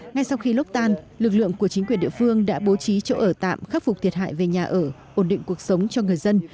ngay sau khi lốc tan lực lượng của chính quyền địa phương đã bố trí chỗ ở tạm khắc phục thiệt hại về nhà ở ổn định cuộc sống cho người dân